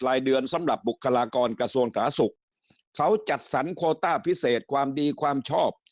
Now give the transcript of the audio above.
รายเดือนสำหรับบุคลากรกระทรวงสาธารณสุขเขาจัดสรรโคต้าพิเศษความดีความชอบ